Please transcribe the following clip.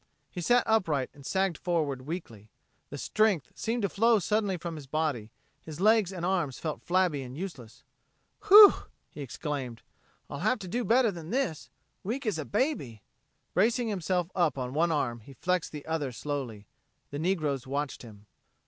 He sat upright and sagged forward weakly. The strength seemed to flow suddenly from his body; his legs and arms felt flabby and useless. "Whew!" he exclaimed. "I'll have to do better than this. Weak as a baby!" Bracing himself on one arm, he flexed the other slowly. The negroes watched him.